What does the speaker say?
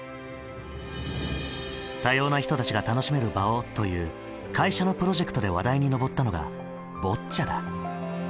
「多様な人たちが楽しめる場を」という会社のプロジェクトで話題に上ったのがボッチャだ。